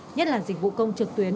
nhất là dịch vụ công trực tuyến